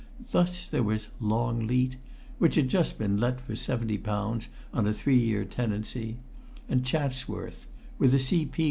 Thus there was Longleat, which had just been let for £70 on a three year tenancy, and Chatsworth with a C. P.